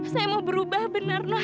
saya mau berubah benar nak